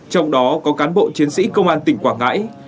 trong đó có cán bộ chiến sĩ công an tỉnh quảng ngãi